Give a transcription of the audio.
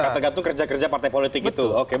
kata gatuh kerja kerja partai politik gitu